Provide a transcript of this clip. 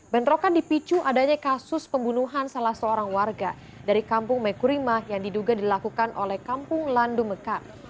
bentrokan dipicu adanya kasus pembunuhan salah seorang warga dari kampung mekurima yang diduga dilakukan oleh kampung landu mekar